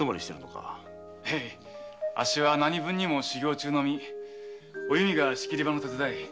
あっしは何分にも修行中お弓は仕切り場の手伝い。